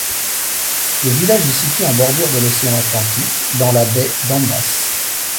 Le village est situé en bordure de l'océan Atlantique, dans la baie d'Ambas.